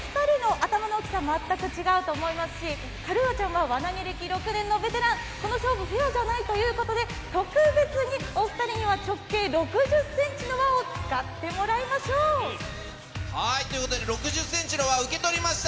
ただですね、カルーアちゃんとお２人の頭の大きさ、全く違うと思いますし、カルーアちゃんは輪投げ歴６年のベテラン、この勝負、フェアじゃないということで、特別にお２人には直径６０センチの輪を使ってもらいましょう。ということで、６０センチの輪、受け取りました。